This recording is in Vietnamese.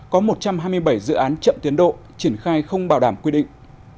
có một trăm hai mươi bảy dự án chậm tiến độ triển khai không bảo đảm quy định